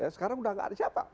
sekarang sudah tidak ada siapa